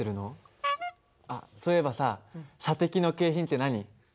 あっそういえばさ射的の景品って何？